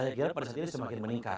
maksudnya persis diri semakin meningkat